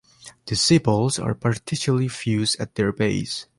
The sepals are partially fused at their base.